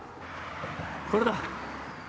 これだ。